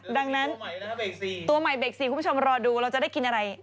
ดังนั้นตัวใหม่เบรก๔คุณผู้ชมรอดูเราจะได้กินอะไร